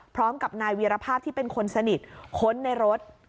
พร้อมกับนายวีรภาพที่เป็นคนสนิทค้นในรถ